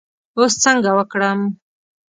اوس څنګه وکړم.